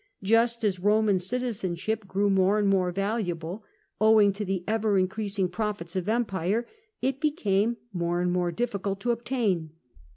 Jnst as Roman citizenship grew more and more valuable, owing to the ever increasing profits of empire, it became more and more difficult to obtain.